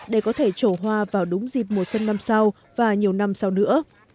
để có thể trổ hoa vào đúng dịp mùa xuân năm sau và nhiều năm sau nữa